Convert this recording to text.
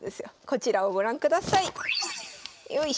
こちらをご覧ください。